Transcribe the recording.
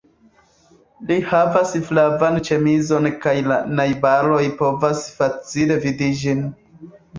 Li havas flavan ĉemizon kaj la najbaroj povas facile vidi ĝin.